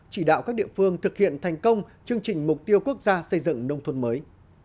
chỉ đạo các địa phương thực hiện thành công chương trình mục tiêu quốc gia xây dựng nông thôn mới